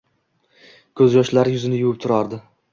Ko‘zyoshlari yuzini yuvib turardi.